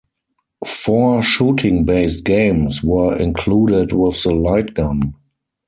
Four shooting-based games were included with the light gun.